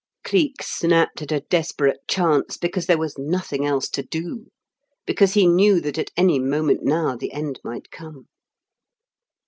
Cleek snapped at a desperate chance because there was nothing else to do, because he knew that at any moment now the end might come.